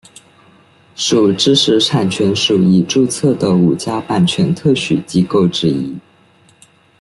属知识产权署已注册的五家版权特许机构之一。